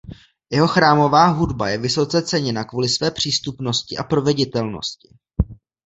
Jeho chrámová hudba je vysoce ceněna kvůli své přístupnosti a proveditelnosti.